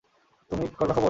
তুমি করবা খবর?